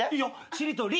しり取り。